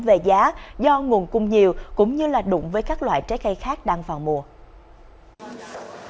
về giá do nguồn cung nhiều cũng như là đụng với các loại trái cây khác đang vào mùa